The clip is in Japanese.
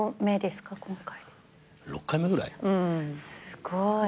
すごい。